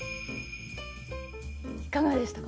いかがでしたか？